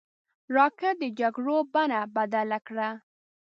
راکټ د جګړو بڼه بدله کړه